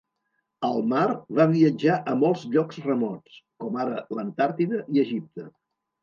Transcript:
Al mar, va viatjar a molts llocs remots, com ara l'Antàrtida i Egipte.